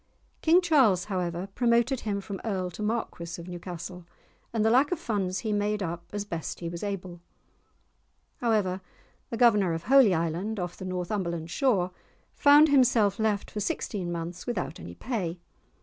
King Charles, however, promoted him from Earl to Marquis of Newcastle, and the lack of funds he made up as best he was able. However, the Governor of Holy Island, off the Northumberland shore, found himself left for sixteen months without any pay!